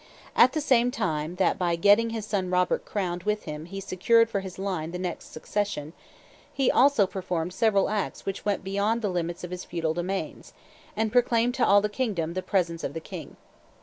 At the same time that by getting his son Robert crowned with him he secured for his line the next succession, he also performed several acts which went beyond the limits of his feudal domains, and proclaimed to all the kingdom the presence of the king.